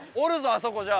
あそこじゃあ。